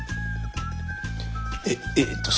えっえっと